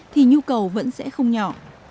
thì nhu cầu vẫn sẽ không nhỏ